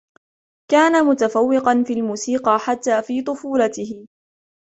كان متفوقا في الموسيقى حتى في طفولته.